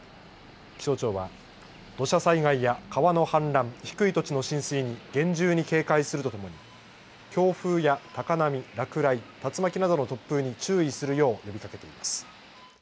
気象庁は、土砂災害や川の氾濫低い土地の浸水に厳重に警戒するとともに強風や高波、落雷竜巻などの突風に注意するよう呼びかけています。